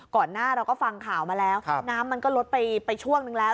ก่อนหน้าเราก็ฟังข่าวมาแล้วน้ำมันก็ลดไปช่วงนึงแล้ว